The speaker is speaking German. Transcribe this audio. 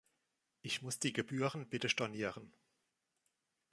Ich muss die Gebühren bitte stornieren.